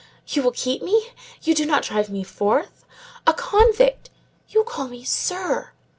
You will keep me? You do not drive me forth? A convict! You call me _sir!